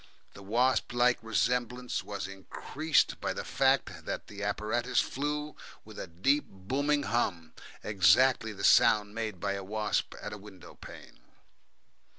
The wasp like resemblance was increased by the fact that the apparatus flew with a deep booming hum, exactly the sound made by a wasp at a windowpane.